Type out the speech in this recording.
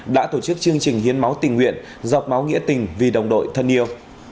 đã tổ chức chương trình hiến máu tình nguyện giọt máu nghĩa tình vì đồng đội thân yêu